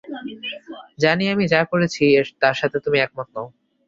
জানি আমি যা করেছি তার সাথে তুমি একমত নও।